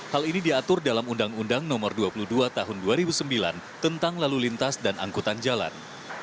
hal ini diatur dalam undang undang no dua puluh dua tahun dua ribu sembilan tentang lalu lintas dan angkutan jalan